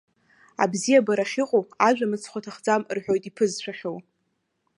Абзиабара ахьыҟоу ажәа мыцхә аҭахӡам рҳәоит иԥызшәахьоу.